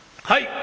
「はい！